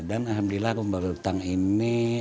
dan alhamdulillah rumah betang ini